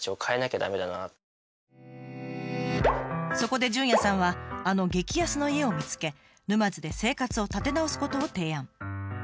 そこでじゅんやさんはあの激安の家を見つけ沼津で生活を立て直すことを提案。